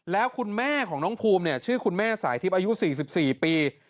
แล้วคุณแม่ของน้องภูมิเนี่ยชื่อคุณแม่สายทิพย์อายุ๔๔ปี